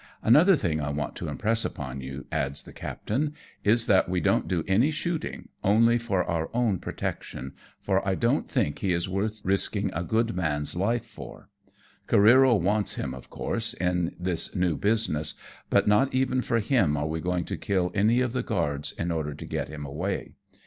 " Another thing I want to impress upon you," adds the captain, "is, that we don't do any shooting, only for our own protection, for I don't think he is worth risking a good man's life for. Careero wants him, of course, in this new business, but not even for him are we going to kill any of the guards in order to get him away.